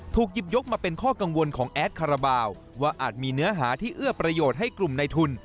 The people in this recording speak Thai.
หยิบยกมาเป็นข้อกังวลของแอดคาราบาลว่าอาจมีเนื้อหาที่เอื้อประโยชน์ให้กลุ่มในทุน